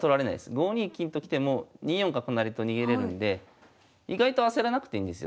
５二金と来ても２四角成と逃げれるんで意外と焦らなくていいんですよ。